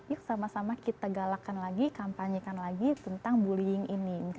yuk sama sama kita galakkan lagi kampanyekan lagi tentang bullying ini